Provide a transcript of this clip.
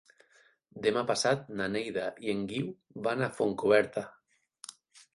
Demà passat na Neida i en Guiu van a Fontcoberta.